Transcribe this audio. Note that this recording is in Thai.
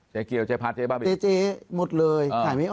เจ๊เกียวเจ๊พัดเจ๊บ้าบี